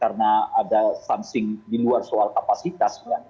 karena ada stancing di luar soal kapasitas